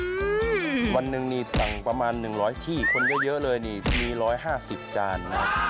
อืมวันหนึ่งนี่สั่งประมาณ๑๐๐ที่คนเยอะเลยนี่มี๑๕๐จาน